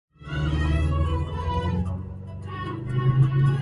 على أي غرس آمن الدهر بعدما